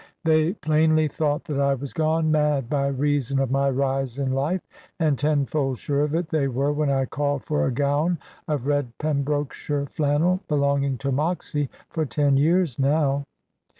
They plainly thought that I was gone mad, by reason of my rise in life; and tenfold sure of it they were, when I called for a gown of red Pembrokeshire flannel, belonging to Moxy for ten years now.